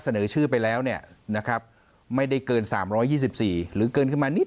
เสนอชื่อไปแล้วเนี่ยนะครับไม่ได้เกิน๓๒๔หรือเกินขึ้นมานิด